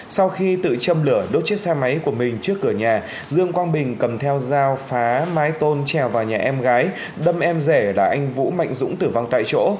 sau khi tự châm lửa đốt chiếc xe máy của mình trước cửa nhà dương quang bình cầm theo dao phá mái tôn trèo vào nhà em gái đâm em rể là anh vũ mạnh dũng tử vong tại chỗ